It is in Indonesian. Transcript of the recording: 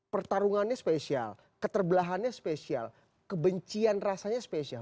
pertarungannya spesial keterbelahannya spesial kebencian rasanya spesial